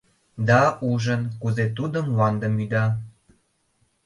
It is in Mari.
Да ужын, кузе тудо мландым ӱда.